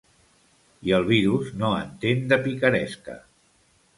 I el virus no entén de picaresca.